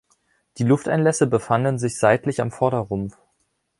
Die Lufteinlässe befanden sich seitlich am Vorderrumpf.